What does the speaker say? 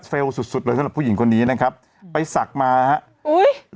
เฟลล์สุดสุดเลยสำหรับผู้หญิงคนนี้นะครับไปสักมานะฮะอุ้ย